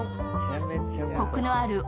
コクのある奥